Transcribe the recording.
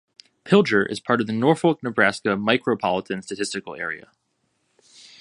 Pilger is part of the Norfolk, Nebraska Micropolitan Statistical Area.